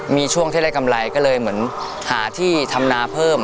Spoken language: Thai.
มีช่วงที่ได้กำไรก็เลยเหมือนหาที่ทำนาเพิ่ม